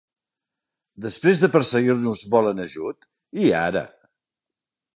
Després de perseguir-nos volen ajut?, i ara!